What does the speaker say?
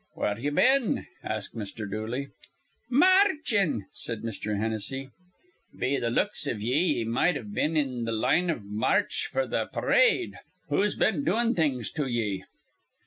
"Where ye been?" asked Mr. Dooley. "Ma archin,'" said Mr. Hennessy. "Be th' looks iv ye, ye might have been th' line iv ma arch f'r th' p'rade. Who's been doin' things to ye?"